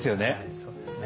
そうですね。